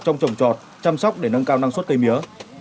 trong trồng trọt chăm sóc để nâng cao năng suất cây mía